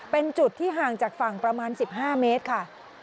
เป็นจุดที่ห่างจากฝั่งประมาณ๑๕เมตรค่ะ